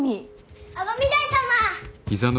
尼御台様！